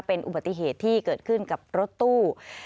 เป็นอุบัติเหตุที่เกิดขึ้นกับรถตู้